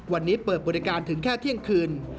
วันนี้เปิดบริการถึงแค่เที่ยงคืน